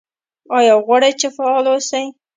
ایا غواړئ چې فعال اوسئ؟